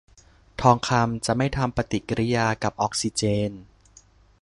ทองคำจะไม่ทำปฏิกิริยากับออกซิเจน